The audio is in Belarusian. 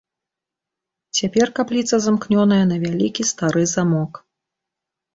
Цяпер капліца замкнёная на вялікі стары замок.